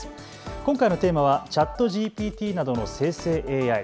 今回のテーマはＣｈａｔＧＰＴなどの生成ＡＩ。